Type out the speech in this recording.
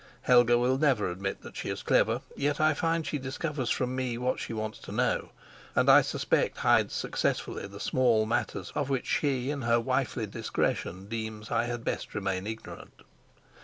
Helga will never admit that she is clever, yet I find she discovers from me what she wants to know, and I suspect hides successfully the small matters of which she in her wifely discretion deems I had best remain ignorant.